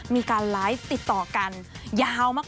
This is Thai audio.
มีการไลฟ์ติดต่อกันยาวมาก